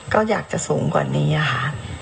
ก็อยากจะสูงกว่านี้ค่ะ